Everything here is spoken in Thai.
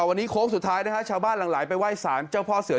วันนี้โค้งสุดท้ายนะฮะชาวบ้านหลังไหลไปไหว้สารเจ้าพ่อเสือ